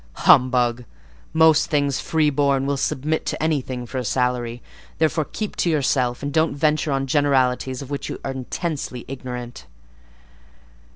"Humbug! Most things free born will submit to anything for a salary; therefore, keep to yourself, and don't venture on generalities of which you are intensely ignorant.